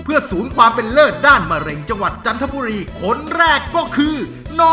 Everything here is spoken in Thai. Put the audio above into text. เพื่อสูญความที่เป็นเลิศด้านมาเรริงจันทมัน